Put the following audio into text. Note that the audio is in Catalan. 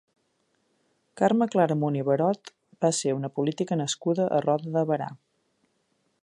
Carme Claramunt i Barot va ser una política nascuda a Roda de Berà.